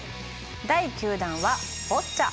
第９弾はボッチャ。